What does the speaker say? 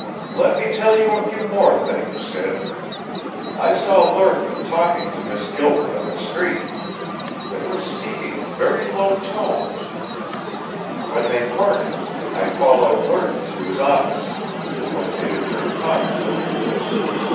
"Let me tell you a few more things, Sid. I saw Lerton talking to Miss Gilbert on the street. They were speaking in very low tones. When they parted, I followed Lerton to his office, and went in and talked to him.